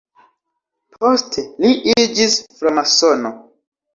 Poste li iĝis framasono.